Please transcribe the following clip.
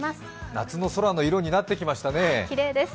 夏の空の色になってきましたね。